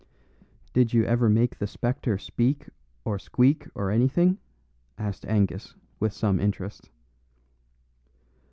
"Did you ever make the spectre speak or squeak, or anything?" asked Angus, with some interest.